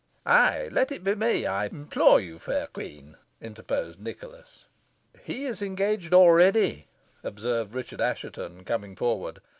"Ay, let it be me, I implore of you, fair queen," interposed Nicholas. "He is engaged already," observed Richard Assheton, coming forward.